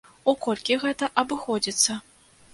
У колькі гэта абыходзіцца?